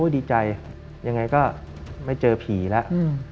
ดีใจยังไงก็ไม่เจอผีแล้ว